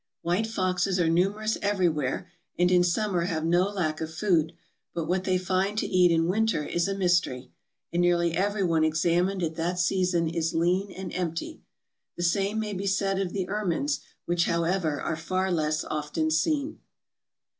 White foxes are numerous everywhere and in summer have no lack of food, but what they find to eat in winter is a mystery, and nearly every one examined at that season is lean and empty. The same may be said of the ermines, which, however, are far less often seen.